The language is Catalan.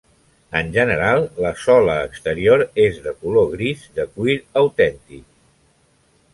En general, la sola exterior és de color gris, de cuir autèntic.